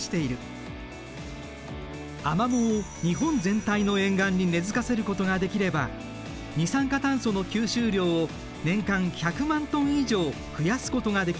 アマモを日本全体の沿岸に根づかせることができれば二酸化炭素の吸収量を年間１００万トン以上増やすことができるという。